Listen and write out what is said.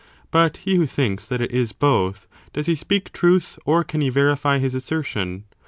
but he S'faum! "'"'' who thinks that it is both, does he speak truth, or can he verify his assertion?